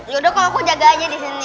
yaudah aku jaga aja disini